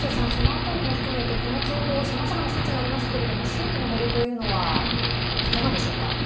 この情報、さまざまな説がありますけれども真偽のほどというのは、いかがでしょうか。